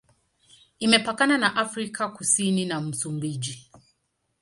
Imepakana na Afrika Kusini na Msumbiji.